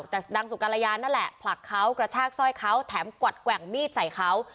แต่นางสุกรยานั่นแหละผลักเขากระชากสร้อยเขาแถมกวัดแกว่งมีดใส่เขา